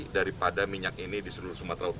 daripada minyak ini di seluruh sumatera utara